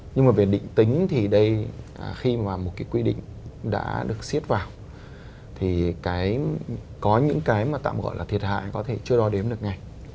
nhưng mà về định tính thì đây khi mà một cái quy định đã được xiết vào thì có những cái mà tạm gọi là thiệt hại có thể chưa đo đếm được ngay